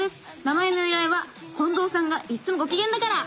名前の由来は「近藤さんがいっつもゴキゲンだから」！